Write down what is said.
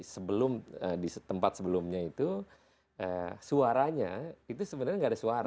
sebelum di tempat sebelumnya itu suaranya itu sebenarnya gak ada suara